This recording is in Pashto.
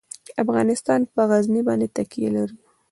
افغانستان په غزني باندې تکیه لري.